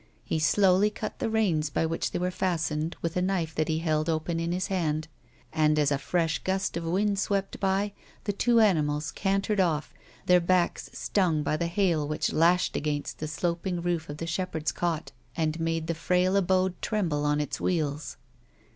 He slowly cut the reins by which they were fastened with a knife that he held open in his hand, and, as a fresh gust of wind swept by, the two animals cantered off, their backs stung by the hail which lashed against the sloping roof of the shepherd's cot, and made the frail abode tremble on its wheels.